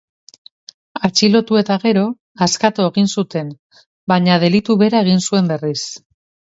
Atxilotu eta gero, askatu zuten, baina delitu bera egin zuen berriz.